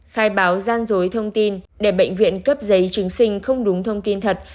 khai báo gian dối thông tin để bệnh viện cấp giấy chứng sinh không đúng thông tin thật